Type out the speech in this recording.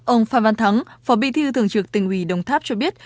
ông phan văn thắng phó bi thư thường trược tỉnh ủy đồng tháp cho biết